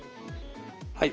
はい。